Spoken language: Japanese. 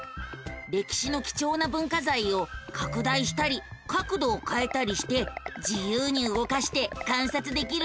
歴史の貴重な文化財を拡大したり角度をかえたりして自由に動かして観察できるのさ。